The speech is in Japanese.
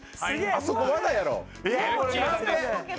あそこワナやろ。